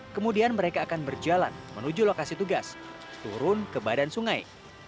kemudian mereka akan berjalan menuju lokasi tugas turun ke badan sungai